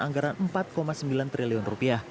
anggaran rp empat sembilan triliun